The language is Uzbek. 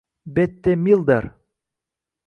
Bette Milder